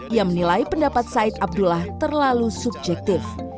ia menilai pendapat said abdullah terlalu subjektif